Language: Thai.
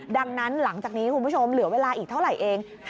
ดังนั้นหลังจากนี้คุณผู้ชมเหลือเวลาอีกเท่าไหร่เอง